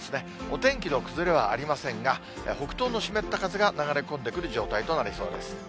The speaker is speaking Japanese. お天気の崩れはありませんが、北東の湿った風が流れ込んでくる状態となりそうです。